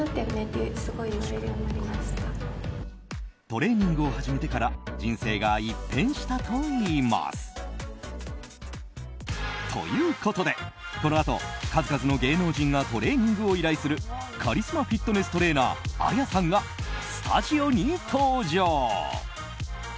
トレーニングを始めてから人生が一変したといいます。ということで、このあと数々の芸能人がトレーニングを依頼するカリスマフィットネストレーナーＡＹＡさんがスタジオに登場。